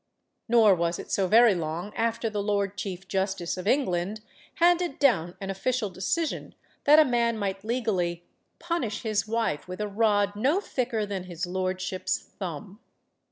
Nor was it so very long after the Lord Chief Justice of England handed down an official decision that a man might legally "punish his wife with a rod no thicker than his lordship's thumb."